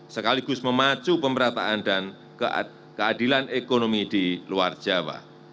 sekaligus memacu pemerataan dan keadilan ekonomi di luar jawa